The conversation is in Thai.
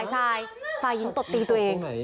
หัวฟาดพื้น